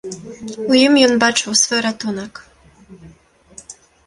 У ім ён бачыў свой ратунак.